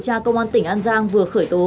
cảnh sát điều tra công an tp vinh vừa khởi tố